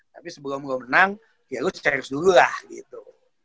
tapi sebelum lo menang ya lo serius dululah gitu